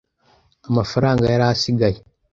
Amafaranga yari asigaye.